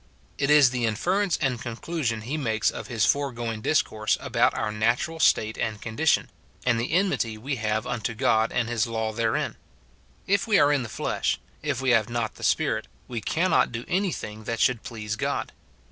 It is the inference and conclusion he makes of his foregoing discourse about our natural SIN IN BELIEVERS. 203 state and condition, and the enmity we have unto Grod and his law therein. If we are in the flesh, if we have riot the Spirit, we cannot do any thing that should please God.